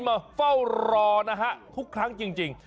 มาเฝ้ารอครบและทุกครั้งเอง